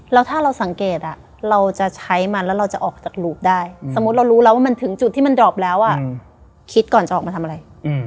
แล้วถ้าเราสังเกตเราจะใช้มันแล้วเราจะออกจากหลูบได้สมมุติเรารู้แล้วว่ามันถึงจุดที่มันดอบแล้วคิดก่อนจะออกมาทำอะไร